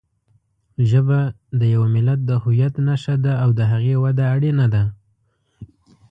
ژبه د یوه ملت د هویت نښه ده او د هغې وده اړینه ده.